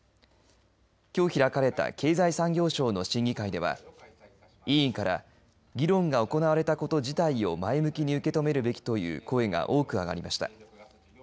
きょう開かれた経済産業省の審議会では委員から議論が行われたこと自体を前向きに受け止めるべきという声が多く上がりました。